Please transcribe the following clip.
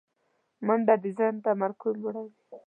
منډه د ذهن تمرکز لوړوي